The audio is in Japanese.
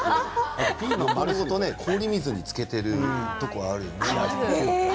丸ごと氷水につけているところもあるよね。